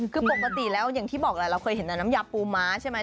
คือปกติแล้วอย่างที่บอกแหละเราเคยเห็นแต่น้ำยาปูม้าใช่ไหม